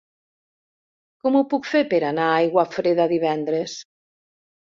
Com ho puc fer per anar a Aiguafreda divendres?